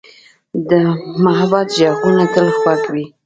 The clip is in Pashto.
د محبت ږغونه تل خوږ وي.